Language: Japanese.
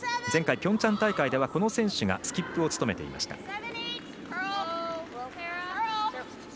前回、ピョンチャン大会ではこの選手がスキップを務めていました。